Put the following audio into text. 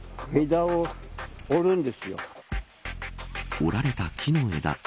折られた木の枝。